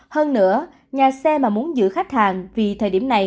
hơn nữa nhà xe mà muốn giữ khách hàng vì thời điểm này